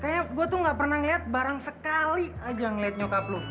kayaknya gue tuh gak pernah ngeliat barang sekali aja ngeliat nyokap lo